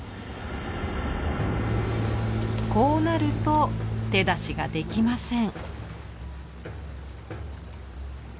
こうなると手出しができません。